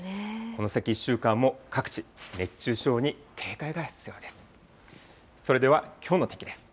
この先１週間も各地、熱中症に警戒が必要です。